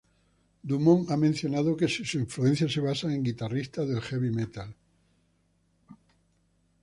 Dumont ha mencionado que sus influencias se basan en guitarristas del heavy metal.